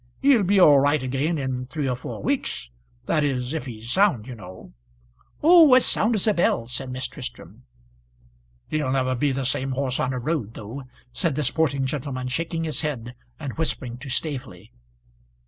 He'll be all right again in three or four weeks, that is if he's sound, you know." "Oh, as sound as a bell," said Miss Tristram. "He'll never be the same horse on a road though," said the sporting gentlemen, shaking his head and whispering to Staveley.